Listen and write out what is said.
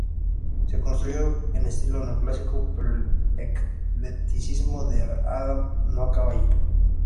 Se construyó en estilo neoclásico, pero el eclecticismo de Adam no acaba allí.